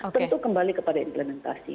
tentu kembali kepada implementasi